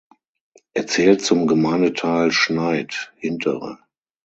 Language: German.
Er zählt zum Gemeindeteil Schnaid (hintere).